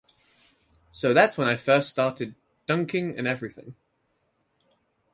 So that's when I first started dunking and everything.